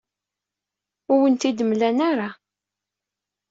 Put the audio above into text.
Ur awen-t-id-mlan ara.